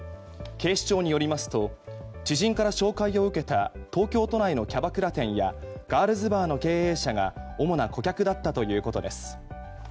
警視庁によりますと知人から紹介を受けた東京都内のキャバクラ店やガールズバーの経営者が主な顧客だったということです。